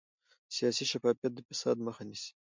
سیاسي شفافیت د فساد مخه نیسي